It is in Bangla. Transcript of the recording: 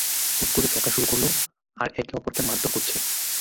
হুট করে ঝগড়া শুরু করলো আর একে অপরজনকে মারধর করছে।